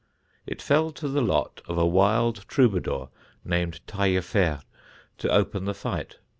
It fell to the lot of a wild troubadour named Taillefer to open the fight.